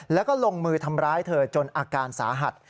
แล้วก็ลงมือทำร้ายเธอจนอาการสาหัส